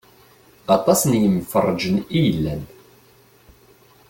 Aṭas n yemferrǧen i yellan.